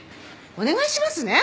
お願いしますね。